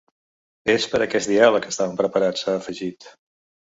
És per aquest diàleg que estàvem preparats, ha afegit.